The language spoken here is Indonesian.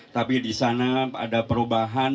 tapi disana ada perubahan